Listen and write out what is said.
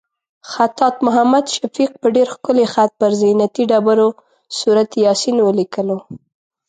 خطاط محمد شفیق په ډېر ښکلي خط پر زینتي ډبرو سورت یاسین ولیکلو.